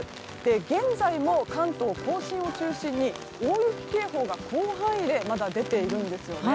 現在も関東・甲信を中心に大雪警報が広範囲でまだ出ているんですよね。